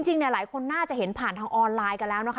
จริงหลายคนน่าจะเห็นผ่านทางออนไลน์กันแล้วนะคะ